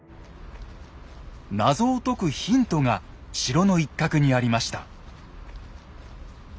謎を解くヒントが城の一角にありました。